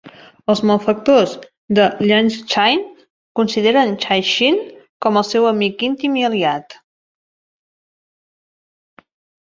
Els malfactors de Liangshan consideren Chai Jin com el seu amic íntim i aliat.